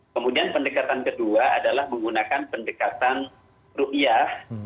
kemudian pendekatan kedua adalah menggunakan pendekatan ru'yah